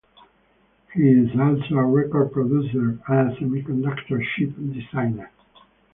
He is also a record producer and a semiconductor chip designer.